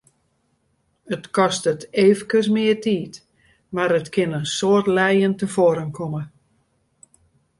It kostet efkes mear tiid, mar it kin in soad lijen tefoaren komme.